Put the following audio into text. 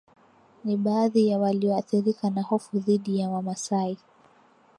ni baadhi ya walioathirika na hofu dhidi ya Wamasai